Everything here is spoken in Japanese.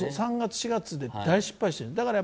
３月、４月で大失敗している。